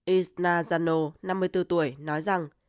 isna zano năm mươi bốn tuổi nói rằng